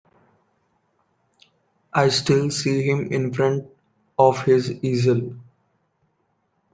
I still see him in front of his easel...